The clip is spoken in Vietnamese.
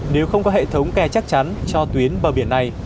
nếu không có hệ thống kẻ trọng